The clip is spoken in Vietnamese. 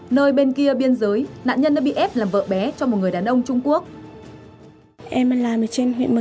nơi bên kia biên giới nạn nhân đã bị ép làm vợ bé cho một người đàn ông trung quốc